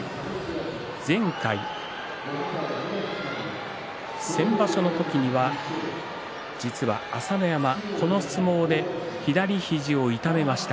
前回、先場所の時には実は朝乃山、この相撲で左肘を痛めました。